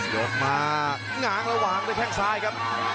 ยกมางางระหว่างด้วยแผ่งซ้ายครับ